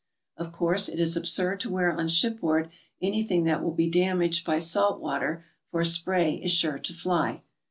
Of course, it is absurd to wear on shipboard anything that will be damaged by salt water, foi spray is sure to fly.